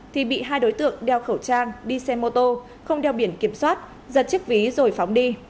thì bị hai đối tượng đeo khẩu trang đi xe mô tô không đeo biển kiểm soát giật chiếc ví rồi phóng đi